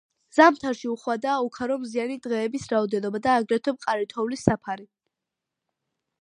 ზამთარში უხვადაა უქარო მზიანი დღეების რაოდენობა, და აგრეთვე მყარი თოვლის საფარი.